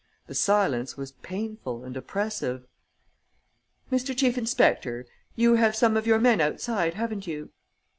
The silence was painful and oppressive. "Mr. Chief Inspector, you have some of your men outside, haven't you?"